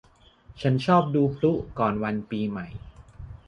ฉันชอบดูพลุก่อนวันปีใหม่